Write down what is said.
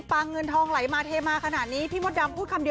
ฟังแล้วนิสัยรวยดูมีความหวังดี